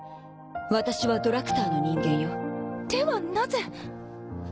私はドラクターの人間よではなぜ？